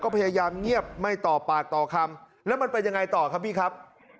ก็พยายามเงียบไม่ต่อปากต่อคำแล้วมันเป็นยังไงต่อครับพี่ครับ